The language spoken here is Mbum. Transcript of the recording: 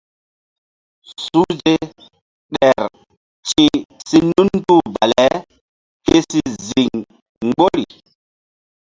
Suhze ɗer ti̧h si nunduh bale ke si ziŋ mgbori.